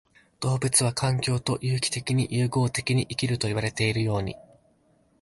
動物は環境と有機的に融合的に生きるといわれるように、